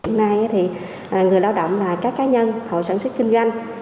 hôm nay thì người lao động là các cá nhân hộ sản xuất kinh doanh